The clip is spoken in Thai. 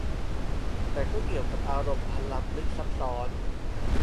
แต่ก็เกี่ยวกับอารมณ์อันล้ำลึกซับซ้อน